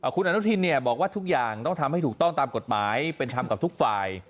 คุณอนุทินบอกว่าทุกอย่างต้องทำให้ถูกต้องตามกฎหมายเป็นธรรมกับทุกฝ่าย